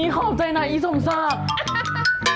ขอบใจนะอีสมศักดิ์